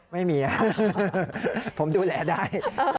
ไม่มีผมดูแลได้